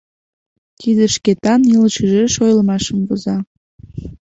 Тиде Шкетан «Илыш ӱжеш» ойлымашым воза.